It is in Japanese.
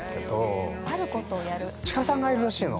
◆鹿さんがいるらしいの。